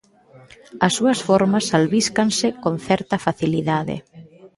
As súas formas albíscanse con certa facilidade.